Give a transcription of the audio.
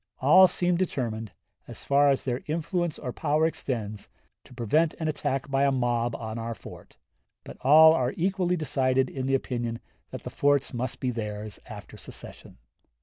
All seemed determined, as far as their influence or power extends, to prevent an attack by a mob on our fort; but all are equally decided in the opinion that the forts must be theirs after secession."